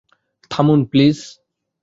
থামুন, প্লিজ!